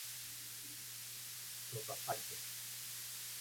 Shota Saito